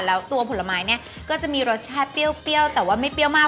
แล้วตัวผลไม้เนี่ยก็จะมีรสชาติเปรี้ยวแต่ว่าไม่เปรี้ยวมาก